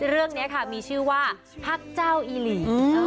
เรื่องนี้ค่ะมีชื่อว่าพักเจ้าอีหลี